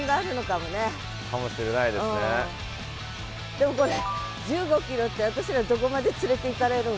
でもこれ１５ｋｍって私らどこまで連れていかれるん？